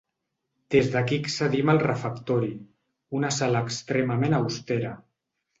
Des d’aquí accedim al refectori, una sala extremament austera.